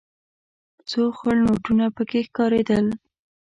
څو خړ نوټونه پکې ښکارېدل.